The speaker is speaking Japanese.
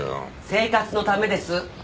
生活のためです